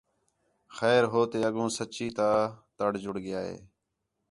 خیر ہو تے اڳوں سچّی تا تڑ جُڑ ڳِیا ہِے